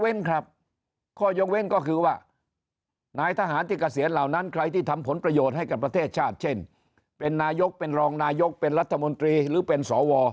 ข้อยกเว้นก็คือว่านายทหารที่เกษียณเหล่านั้นใครที่ทำผลประโยชน์ให้กับประเทศชาติเช่นเป็นนายกเป็นรองนายกเป็นรัฐมนตรีหรือเป็นสว